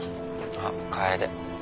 あっ楓。